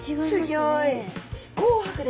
すギョい。